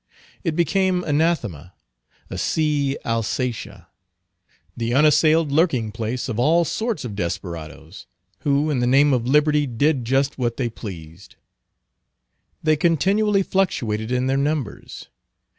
It became Anathema—a sea Alsatia—the unassailed lurking place of all sorts of desperadoes, who in the name of liberty did just what they pleased. They continually fluctuated in their numbers.